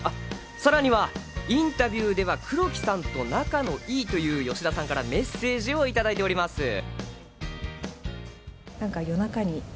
さらにはインタビューでは黒木さんと仲の良いという吉田さんからメッセージをいただいております。